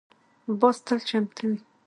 باز تل چمتو وي